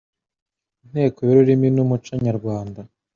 Inteko y'Ururimi n'Umuco nyarwanda